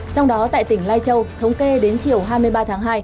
trong đó tại tỉnh lai châu thống kê đến chiều hai mươi ba tháng hai